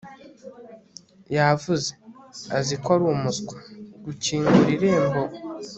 yavuze, azi ko ari umuswa gukingura irembo